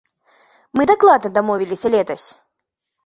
Мы дакладна дамовіліся летась!